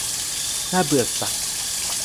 น่าเบื่อสัส